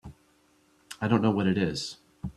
I don't know what it is.